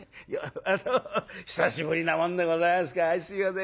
どうも久しぶりなもんでございますから相すいません。